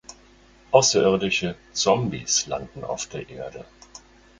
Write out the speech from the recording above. Außerirdische Zombies landen auf der Erde.